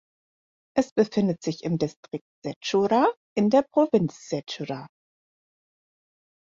Es befindet sich im Distrikt Sechura in der Provinz Sechura.